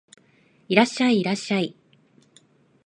いらっしゃい、いらっしゃい